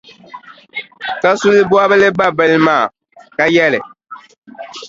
Kasuli bɔbili babila maa, ka yɛli,